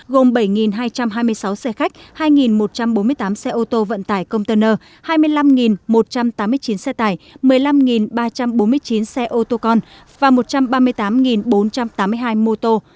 gồm bảy hai trăm hai mươi sáu xe khách hai một trăm bốn mươi tám xe ô tô vận tải container hai mươi năm một trăm tám mươi chín xe tải một mươi năm ba trăm bốn mươi chín xe ô tô con và một trăm ba mươi tám bốn trăm tám mươi hai mô tô